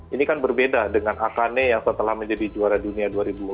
ini kan berbeda dengan akane yang setelah menjadi juara dunia dua ribu tiga belas dua ribu empat belas